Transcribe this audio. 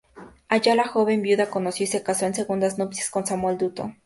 Allá la joven viuda conoció y se casó en segundas nupcias con Samuel Dutton.